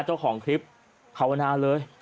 เจ้าของคลิปภาวนาเลย